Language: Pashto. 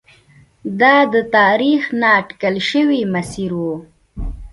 دا د تاریخ نا اټکل شوی مسیر و.